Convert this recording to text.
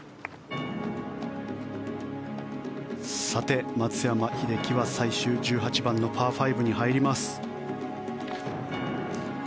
さて、松山英樹は最終１８番のパー５に入ります。